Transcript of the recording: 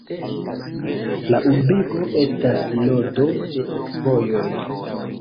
La urbego estas nodo de vojoj.